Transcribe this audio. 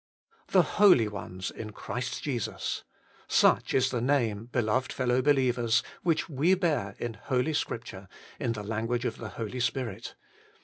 ' The Holy Ones in Christ Jesus !' Such is the name, beloved fellow believers, which we bear in Holy Scripture, in the language of the Holy Spirit.